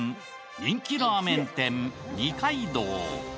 人気ラーメン店、二階堂。